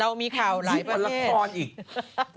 เรามีข่าวหลายประเภท